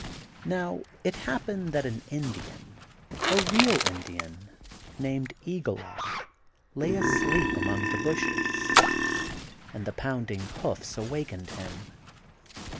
Now, it happened that an Indian, a real Indian, named "Eagle Eye" lay asleep among the bushes, and the pounding hoofs awakened him.